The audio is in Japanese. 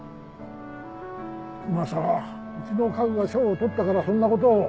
今更うちの家具が賞を取ったからそんなことを。